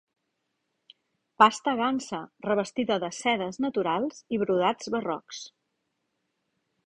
Pasta gansa revestida de sedes naturals i brodats barrocs.